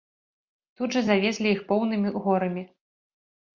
Тут жа завезлі іх поўнымі горамі.